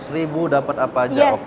seratus ribu dapat apa aja oke